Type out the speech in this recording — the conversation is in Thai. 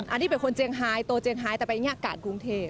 อันนี้เป็นคนเจียงไฮโตเจียงไฮแต่ไปอย่างนี้อากาศกรุงเทพ